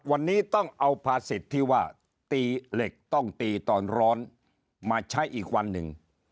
วันนี้ต้องเอาภาษิตที่ว่าตีเหล็กต้องตีตอนร้อนมาใช้อีกวันหนึ่ง